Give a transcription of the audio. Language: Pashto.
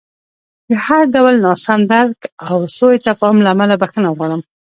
د هر ډول ناسم درک او سوء تفاهم له امله بښنه غواړم.